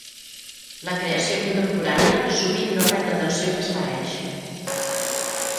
La creació contemporània sovint no rep l'atenció que es mereix.